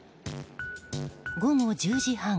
午後１０時半。